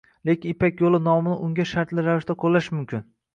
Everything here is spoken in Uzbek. Lekin „ipak yoʻli“ nomini unga shartli ravishda qoʻllash mumkin.